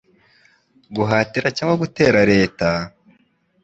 guhatira cyangwa gutera Leta,